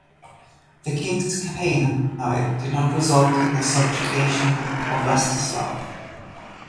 The king's campaign, however, did not result in the subjugation of Rastislav.